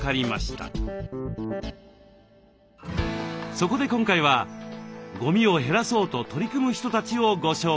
そこで今回はゴミを減らそうと取り組む人たちをご紹介。